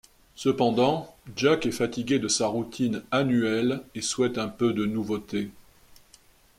Cependant, Jack est fatigué de sa routine annuelle et souhaite un peu de nouveauté.